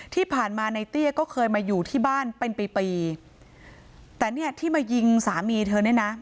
ที่ผ่านมาในเตี้ยก็เคยมาอยู่ที่บ้านเป็นปีปีแต่เนี่ยที่มายิงสามีเธอเนี่ยนะ